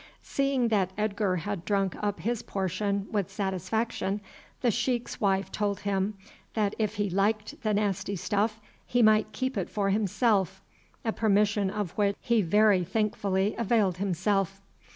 Seeing that Edgar had drunk up his portion with satisfaction, the sheik's wife told him that if he liked the nasty stuff he might keep it for himself, a permission of which he very thankfully availed himself.